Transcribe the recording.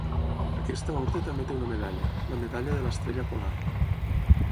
Aquesta orde també té una medalla, "la medalla de l'estrella polar".